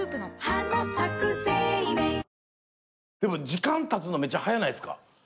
時間たつのめっちゃ早ないっすか？